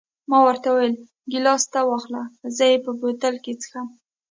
ما ورته وویل: ګیلاس ته واخله، زه یې په بوتل کې څښم.